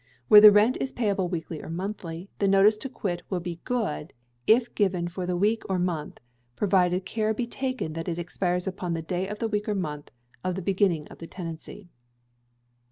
Where the rent is payable weekly or monthly, the notice to quit will be good if given for the week or month, provided care be taken that it expires upon the day of the week or month of the beginning of the tenancy.